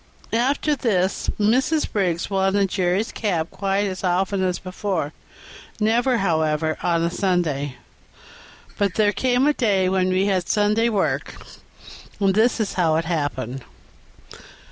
After this Mrs. Briggs wanted Jerry's cab quite as often as before, never, however, on a Sunday; but there came a day when we had Sunday work, and this was how it happened.